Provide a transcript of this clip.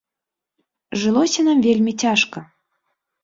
Жылося нам вельмі цяжка.